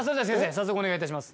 早速お願いします。